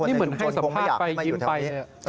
นี่เหมือนให้สัมภาษณ์ไปยิ้มไป